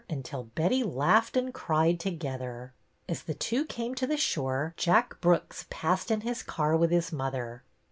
until Betty laughed and cried together. As the two came to the shore. Jack Brooks passed in his car with his mother.